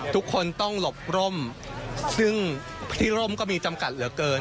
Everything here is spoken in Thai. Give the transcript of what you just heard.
ทุกคนต้องหลบร่มซึ่งพี่ร่มก็มีจำกัดเหลือเกิน